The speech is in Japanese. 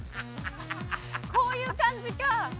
こういう感じか。